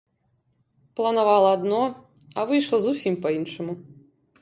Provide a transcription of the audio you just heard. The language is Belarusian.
Планавала адно, а выйшла зусім па-іншаму.